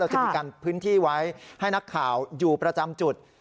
จะมีการพื้นที่ไว้ให้นักข่าวอยู่ประจำจุด